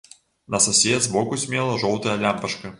На сасе збоку цьмела жоўтая лямпачка.